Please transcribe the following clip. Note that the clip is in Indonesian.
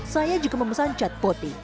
saya juga membesar chat poti